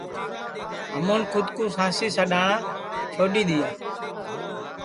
ہمون کھود کُو سانسی سڈؔاٹؔا چھوڈؔ دؔیا